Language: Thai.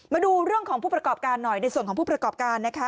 มาดูเรื่องของผู้ประกอบการหน่อยในส่วนของผู้ประกอบการนะคะ